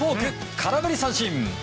空振り三振！